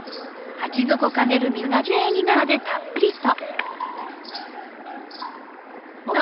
鉢底から出る水がきれいになるまでたっぷりと。